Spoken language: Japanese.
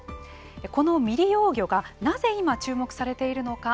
この未利用魚がなぜ今、注目されているのか